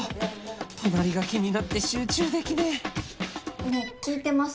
隣が気になって集中できねえねぇ聞いてます？